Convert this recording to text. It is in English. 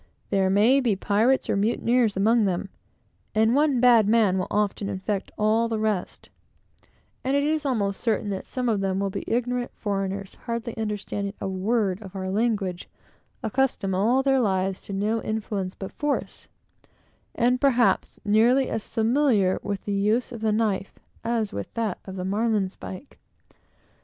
There may be pirates or mutineers among them; and one bad man will often infect all the rest; and it is almost certain that some of them will be ignorant foreigners, hardly understanding a word of our language, accustomed all their lives to no influence but force, and perhaps nearly as familiar with the use of the knife as with that of the marline spike.